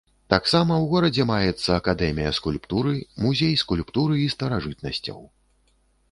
Таксама ў горадзе маецца акадэмія скульптуры, музей скульптуры і старажытнасцяў.